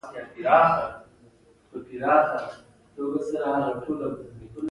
کرنه د اقتصاد د ثبات لپاره اساسي رول لري.